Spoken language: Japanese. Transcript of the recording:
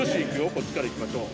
こっちから行きましょう。